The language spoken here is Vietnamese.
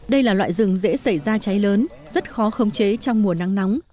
đây là loại rừng dễ xảy ra cháy lớn rất khó khống chế trong mùa nắng nóng